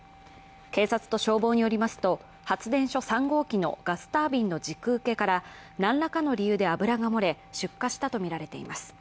警察と消防によりますと、発電所３号機のガスタービンの軸受けから何らかの理由で油が漏れ、出火したとみられています。